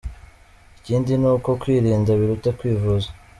Ikindi ni uko kwirinda biruta kwivuza.